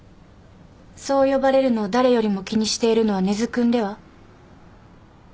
そう呼ばれるのを誰よりも気にしているのは根津君では？